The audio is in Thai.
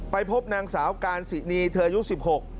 ไปพบนางสาวการศรีนีเธอยุค๑๖